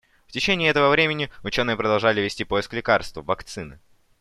В течение этого времени ученые продолжали вести поиск лекарства, вакцины.